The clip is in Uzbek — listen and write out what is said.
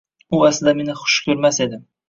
U aslida meni xush ko‘rmas edi.